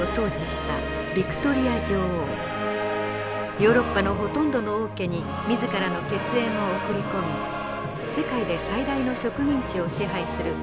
ヨーロッパのほとんどの王家に自らの血縁を送り込み世界で最大の植民地を支配する権力者でした。